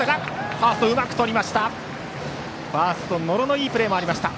ファースト、野呂のいいプレーもありました。